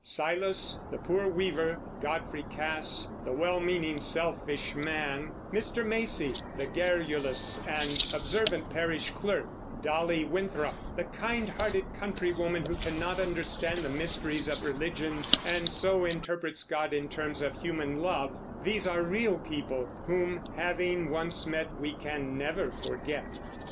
Silas, the poor weaver; Godfrey Cass, the well meaning, selfish man; Mr. Macey, the garrulous, and observant parish clerk; Dolly Winthrop, the kind hearted countrywoman who cannot understand the mysteries of religion and so interprets God in terms of human love, these are real people, whom having once met we can never forget.